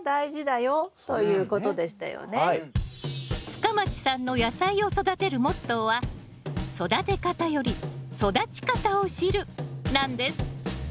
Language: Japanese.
深町さんの野菜を育てるモットーは育て方より育ち方を知るなんです